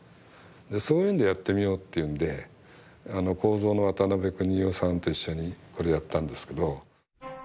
そういうんでやってみようっていうんで構造の渡辺邦夫さんと一緒にこれやったんですけど。